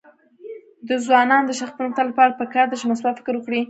د ځوانانو د شخصي پرمختګ لپاره پکار ده چې مثبت فکر وکړي.